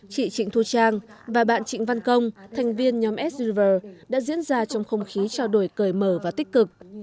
chị trịnh thu trang và bạn trịnh văn công thành viên nhóm s r đã diễn ra trong không khí trao đổi cởi mở và tích cực